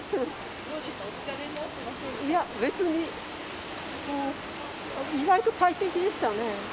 いや別に意外と快適でしたね。